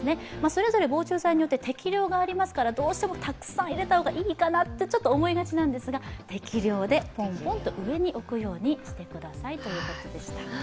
それぞれ防虫剤によって適量がありますから、たくさん入れた方がいいかなとちょっと思いがちなんですが、適量でポンポンと上に置くようにしてくださいということでした。